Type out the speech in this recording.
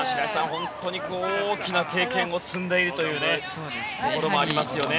本当に大きな経験を積んでいるというところもありますよね。